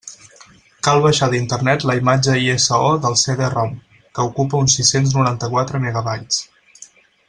Cal baixar d'Internet la imatge ISO del CD-ROM, que ocupa uns sis-cents noranta-quatre megabytes.